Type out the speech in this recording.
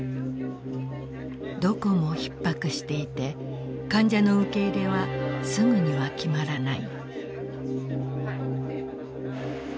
どこもひっ迫していて患者の受け入れはすぐには決まらない。